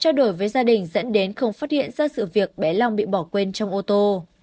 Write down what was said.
trao đổi với gia đình dẫn đến không phát hiện ra sự việc bé long bị bỏ quên trong ô tô